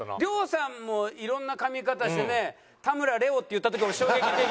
亮さんもいろんなかみ方してね「田村レオ」って言った時俺衝撃的だったけど。